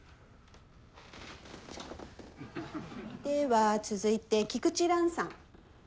では続いて菊地蘭さん。